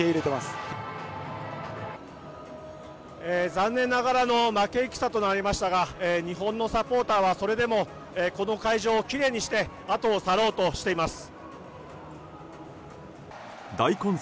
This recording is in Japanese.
残念ながらの負け戦となりましたが日本のサポーターはそれでもこの会場をきれいにしてあとを去ろうとしています。